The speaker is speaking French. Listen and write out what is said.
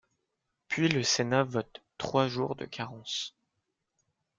Puis le Sénat vote trois jours de carence.